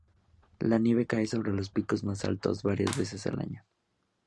La nieve cae sobre los picos más altos, varias veces al año.